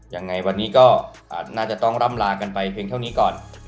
ยังไงวันนี้ก็น่าจะต้องร่ำลากันไปเพียงเท่านี้ก่อน